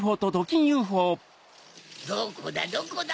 どこだどこだ？